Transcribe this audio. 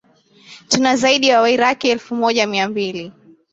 tunazaidi ya wairaki elfu moja mia mbili